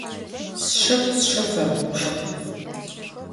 Sşşıpxhu sşşı fegubjjığ.